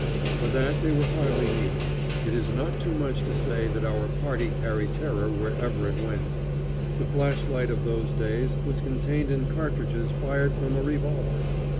For that they were hardly needed. It is not too much to say that our party carried terror wherever it went. The flashlight of those days was contained in cartridges fired from a revolver.